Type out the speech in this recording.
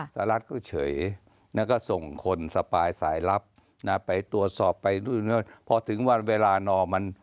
สหรัฐก็เฉยก็ส่งคนสบายสายลับไปตัวสอบไปทุกพอถึงวันเวลานรมัน